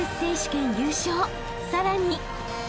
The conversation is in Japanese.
［さらに］